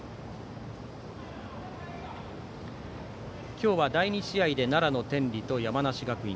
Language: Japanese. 今日は第２試合で奈良の天理と山梨学院。